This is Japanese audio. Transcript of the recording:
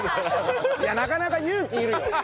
いやなかなか勇気いるよ。